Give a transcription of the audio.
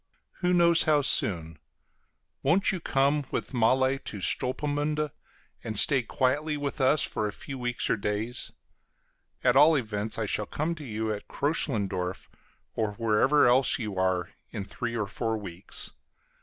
Who knows how soon? Won't you come with Malle to Stolpmünde, and stay quietly with us for a few weeks or days? At all events I shall come to you at Kröchlendorf, or wherever else you are, in three or four weeks.